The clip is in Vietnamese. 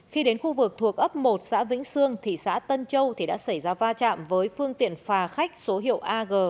khi đến khu vực thuộc ấp một xã vĩnh sương thị xã tân châu thì đã xảy ra va chạm với phương tiện phà khách số hiệu ag hai mươi một nghìn bốn trăm bảy mươi bảy